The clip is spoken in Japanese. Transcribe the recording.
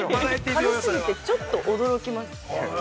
◆軽すぎて、ちょっと驚きます。